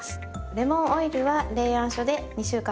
レモンオイルは冷暗所で２週間から３週間。